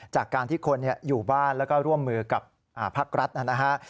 จากการที่คนอยู่บ้านแล้วก็ร่วมมือกับภาครัฐนะฮะ